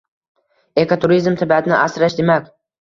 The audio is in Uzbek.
Ekoturizm – tabiatni asrash demak